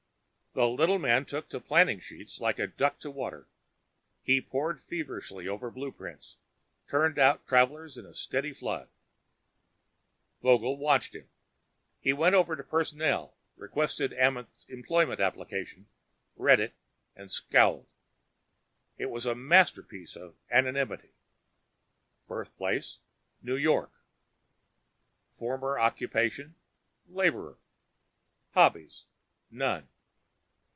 The little man took to planning sheets like a duck to water. He pored feverishly over blueprints, turning out travelers in a steady flood. Vogel watched him. He went over to Personnel, requested Amenth's employment application, read it and scowled. It was a masterpiece of anonymity. Birthplace: New York. Former Occupation: Laborer. Hobbies: None.